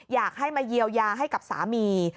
อยากให้มาเยียวยาให้กับสามี